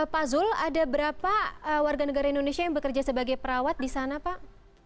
pak zul ada berapa warga negara indonesia yang bekerja sebagai perawat di sana pak